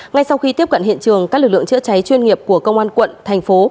ngay sau khi tiếp cận hiện trường các lực lượng chữa cháy chuyên nghiệp của công an quận thành phố